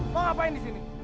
mau ngapain di sini